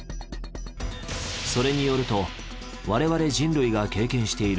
それによると我々人類が経験している